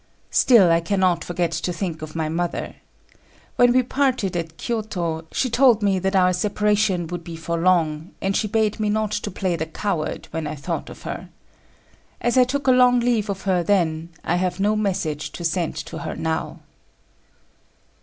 Still I cannot forget to think of my mother. When we parted at Kiyôto, she told me that our separation would be for long, and she bade me not to play the coward when I thought of her. As I took a long leave of her then, I have no message to send to her now."